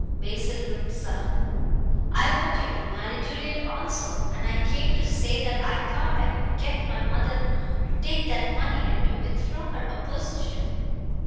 Basil looked sullen. "I want you to marry Juliet also. And I came to say that I thought I could get my mother to take that money and to withdraw her opposition."